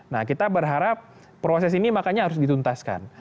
nah kita berharap proses ini makanya harus dituntaskan